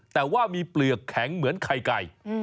แต่ว่ามีเปลือกแข็งเหมือนไข่ไก่